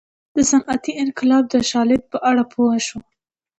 د صنعتي انقلاب د شالید په اړه پوه شو.